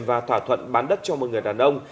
và thỏa thuận bán đất cho một người đàn ông